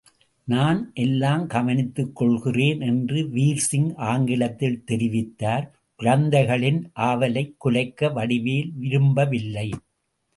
நான் எல்லாம் கவனித்துக் கொள்கிறேன் என்று வீர்சிங் ஆங்கிலத்தில் தெரிவித்தார். குழந்தைகளின் ஆவலைக் குலைக்க வடிவேல் விரும்ப வில்லை.